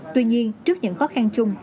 tuy nhiên trước những khó khăn chung